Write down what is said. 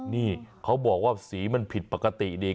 นี่เขาบอกว่าสีมันผิดปกติดี